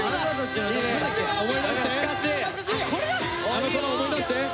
あのころを思い出して。